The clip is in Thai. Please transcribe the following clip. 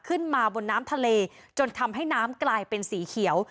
ขึ้นมาบนน้ำทะเลจนทำให้น้ำกลายเป็นสีเขียว